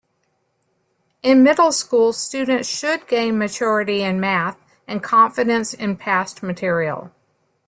In middle school, students should gain maturity in math, and confidence in past material.